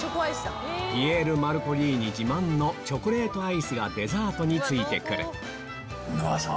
ピエールマルコリーニ自慢のチョコレートアイスがデザートについてくる乃愛さん